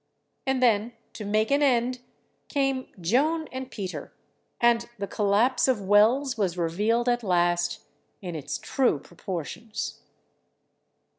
And then, to make an end, came "Joan and Peter"—and the collapse of Wells was revealed at last in its true proportions.